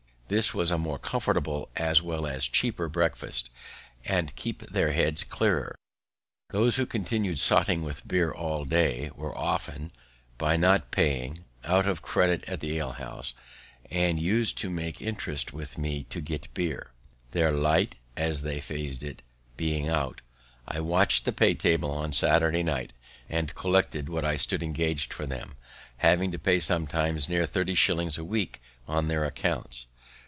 This was a more comfortable as well as cheaper breakfast, and keep their heads clearer. Those who continued sotting with beer all day, were often, by not paying, out of credit at the alehouse, and us'd to make interest with me to get beer; their light, as they phrased it, being out. I watch'd the pay table on Saturday night, and collected what I stood engag'd for them, having to pay sometimes near thirty shillings a week on their accounts.